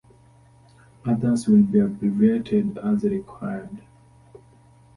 Others will be abbreviated as required.